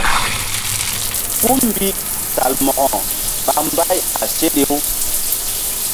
Kú mbi Salmo̧ko ɓa mbay a seɗe-u.